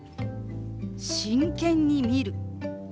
「真剣に見る」。